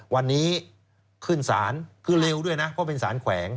วันนี้ขึ้นศาลคือเร็วด้วยนะเพราะเป็นสารแขวง